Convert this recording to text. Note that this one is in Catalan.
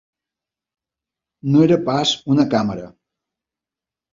No era pas una càmera.